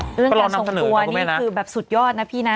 เรื่องการทรงตัวนี่คือแบบสุดยอดนะพี่นะ